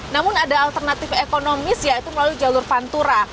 namun ada alternatif ekonomis yaitu melalui jalur pantura